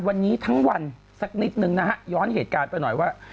วันนี้ทั้งวันสักนิดนึงนะฮะย้อนเหตุการณ์ไปหน่อยว่า